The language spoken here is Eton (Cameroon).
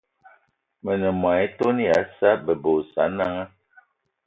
Me ne mô-etone ya Sa'a bebe y Osananga